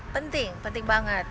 penting penting banget